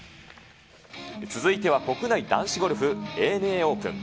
続いては国内男子ゴルフ、ＡＮＡオープン。